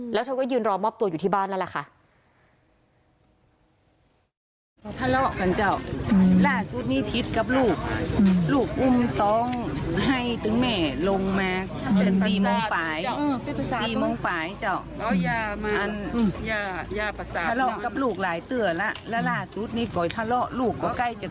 แล้วเธอก็ยืนรอมอบตัวอยู่ที่บ้านแล้วล่ะค่ะ